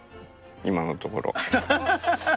今のところは。